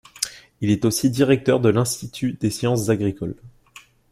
Il est aussi directeur de l'Institut des sciences agricoles.